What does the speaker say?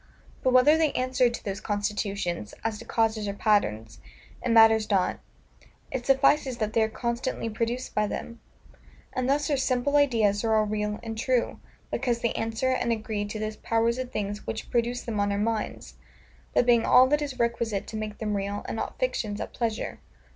But whether they answer to those constitutions, as to causes or patterns, it matters not; it suffices that they are constantly produced by them. And thus our simple ideas are all real and true, because they answer and agree to those powers of things which produce them on our minds; that being all that is requisite to make them real, and not fictions at pleasure.